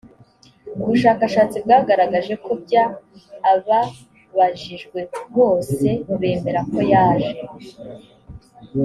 ubushakashatsi bwagaragaje ko byaa ababajijwe bose bemera ko yaje